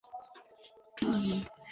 তিনি তার প্রথম দিওয়ান সম্পাদনা করেন।